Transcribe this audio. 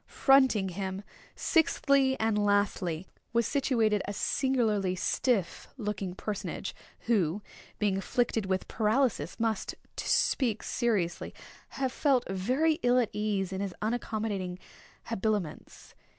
Fronting him, sixthly and lastly, was situated a singularly stiff looking personage, who, being afflicted with paralysis, must, to speak seriously, have felt very ill at ease in his unaccommodating habiliments.